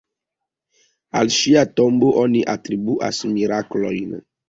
Al ŝia tombo oni atribuas miraklojn.